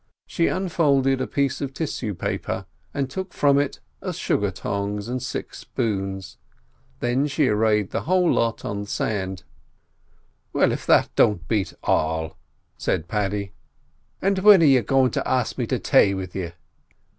She unfolded a piece of tissue paper, and took from it a sugar tongs and six spoons. Then she arrayed the whole lot on the sand. "Well, if that don't beat all!" said Paddy. "And whin are you goin' to ax me to tay with you?"